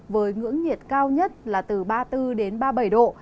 với ngưỡng nhiệt cao nhất là từ ba mươi bốn đến ba mươi bảy độ